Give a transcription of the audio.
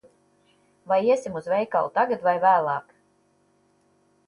Vai iesim uz veikalu tagad vai vēlāk?